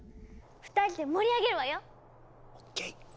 ２人で盛り上げるわよ！ＯＫ！